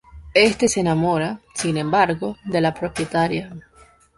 Éste se enamora, sin embargo, de la propietaria.